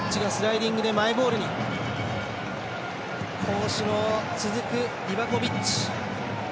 好守の続く、リバコビッチ。